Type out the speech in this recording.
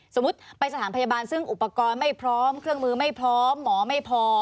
สมมุติไปสถานพยาบาลซึ่งอุปกรณ์ไม่พร้อมเครื่องมือไม่พร้อมหมอไม่พอ